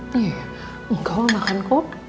nih engkau makan kok